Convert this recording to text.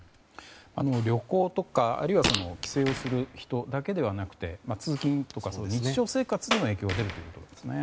旅行とか、あるいは帰省をする人だけではなくて通勤とか日常生活にも影響が出るということですね。